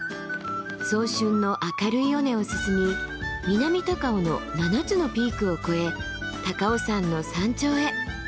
早春の明るい尾根を進み南高尾の７つのピークを越え高尾山の山頂へ。